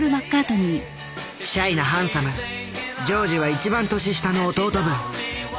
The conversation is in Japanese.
シャイなハンサムジョージは一番年下の弟分。